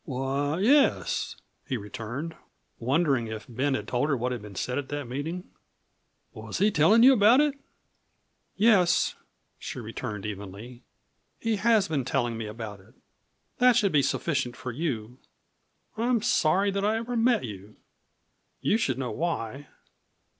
"Why, yes," he returned, wondering if Ben had told her what had been said at that meeting; "was he tellin' you about it?" "Yes," she returned evenly, "he has been telling me about it. That should be sufficient for you. I am sorry that I ever met you. You should know why.